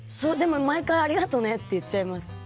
でも、毎回ありがとねって言っちゃいます。